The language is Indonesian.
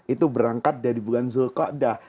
itu berangkat dari bulan zul qadah ⁇